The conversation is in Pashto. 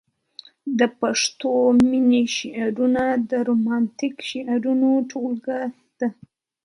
د پښتو مينې شعرونه د رومانتيک شعرونو ټولګه ده.